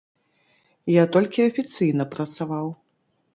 Я толькі афіцыйна працаваў.